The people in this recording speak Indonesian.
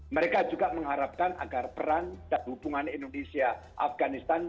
mereka juga mengharapkan agar peran dan hubungan indonesia afganistan